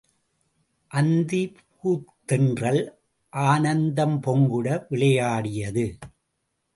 அந்திப் பூந்தென்றல் ஆனந்தம் பொங்கிட விளையாடியது.